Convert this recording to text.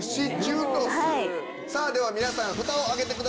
さぁでは皆さんふたを開けてください。